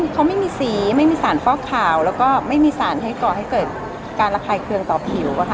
เขาไม่มีสีไม่มีสารฟอกขาวแล้วก็ไม่มีสารให้ก่อให้เกิดการระคายเคืองต่อผิวอะค่ะ